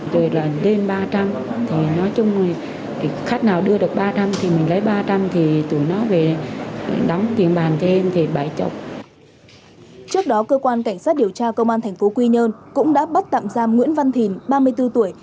trước đó cơ quan cảnh sát điều tra công an tp quy nhơn cũng đã bắt tạm giam nguyễn văn thìn ba mươi bốn tuổi